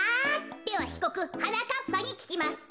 ではひこくはなかっぱにききます。